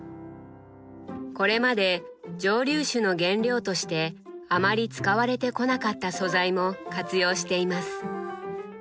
これまで蒸留酒の原料としてあまり使われてこなかった素材も活用しています。